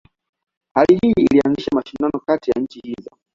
Hali hii ilianzisha mashindano kati ya nchi hizo.